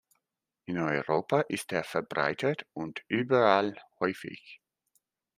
In Europa ist er verbreitet und überall häufig.